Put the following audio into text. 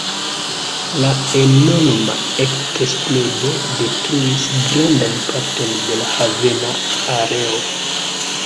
La enorma eksplodo detruis grandan parton de la havena areo.